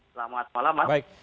selamat malam pak